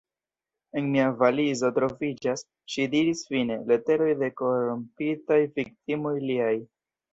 En mia valizo troviĝas, ŝi diris fine, leteroj de korrompitaj viktimoj liaj.